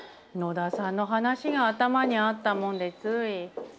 野田さんの話が頭にあったもんでつい。